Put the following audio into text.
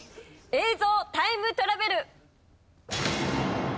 映像タイムトラベル！